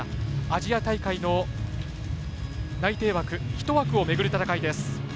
アジア大会の内定枠ひと枠をめぐる戦いです。